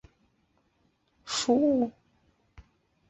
稚子竹为禾本科青篱竹属下的一个种。